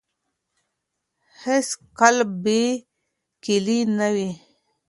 هیڅ قلف بې کیلي نه وي.